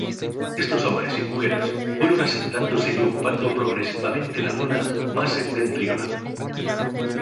Estos hombres y mujeres fueron asentándose y ocupando progresivamente la zona más septentrional.